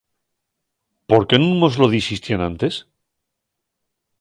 ¿Por qué nun mos lo dixisti enantes?